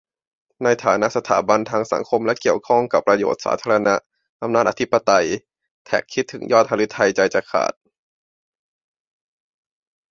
ในฐานะสถาบันทางสังคมและเกี่ยวข้องกับประโยชน์สาธารณะ-อำนาจอธิปไตย แท็ก คิดถึงยอดหฤทัยใจจะขาด